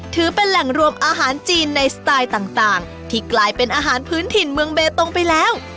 ถือเป็นแหล่งรวมอาหารจีนในสไตล์ต่างที่กลายเป็นอาหารพื้นถิ่นเมืองเบตงไปแล้ว